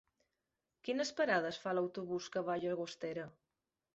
Quines parades fa l'autobús que va a Llagostera?